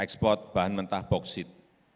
ekspor bahan mentah boksit